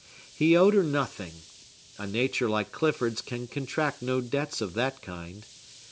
He owed her nothing. A nature like Clifford's can contract no debts of that kind.